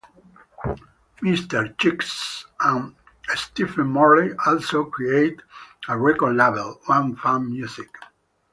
Mr. Cheeks and Stephen Marley also created a record label, One Fam Music.